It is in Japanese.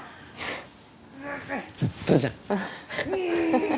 ずっとじゃん。